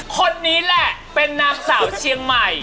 คนนี้แหละเป็นนางสาวเชียงใหม่